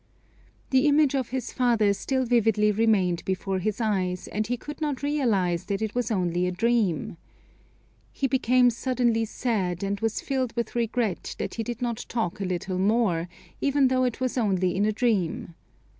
The image of his father still vividly remained before his eyes, and he could not realize that it was only a dream. He became suddenly sad, and was filled with regret that he did not talk a little more, even though it was only in a dream.